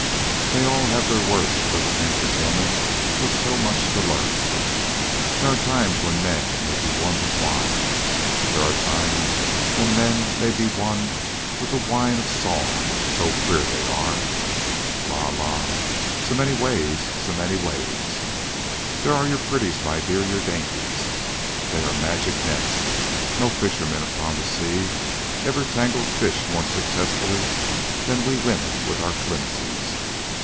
"They all have their worth, little infant woman with so much to learn. There are times when men may be won with wine. There are times when men may be won with the wine of song, so queer they are. La la, so many ways, so many ways. There are your pretties, my dear, your dainties. They are magic nets. No fisherman upon the sea ever tangled fish more successfully than we women with our flimsies.